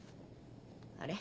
あれ？